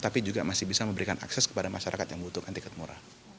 tapi juga masih bisa memberikan akses kepada masyarakat yang membutuhkan tiket murah